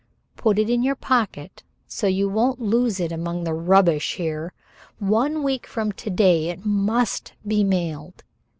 Put it in your pocket so you won't lose it among the rubbish here. One week from to day it must be mailed.